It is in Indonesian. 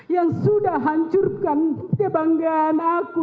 yang sudah hancurkan kebanggaan aku